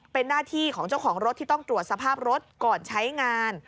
เป็นหน้าที่ของเจ้าของรถที่ต้องตรวจสภาพรถก่อนใช้งาน